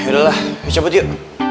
yaudah lah kita cabut yuk